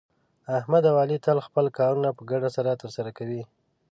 احمد او علي تل خپل کارونه په ګډه سره ترسه کوي.